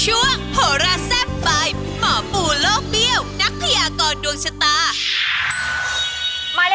โหราแซ่บใบหมอปู่โลกเบี้ยวนักพยากรดวงชะตา